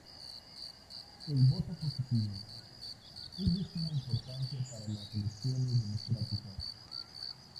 El "voto positivo" es de suma importancia para las elecciones democráticas.